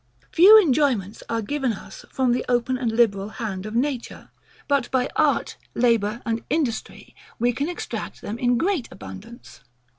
Few enjoyments are given us from the open and liberal hand of nature; but by art, labour, and industry, we can extract them in great abundance.